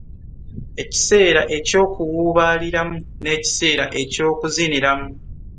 Ekiseera eky'okuwuubaaliramu, n'ekiseera eky'okuziniramu;